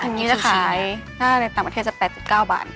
อย่างนี้จะขายในต่างประเทศจะ๘๙บาท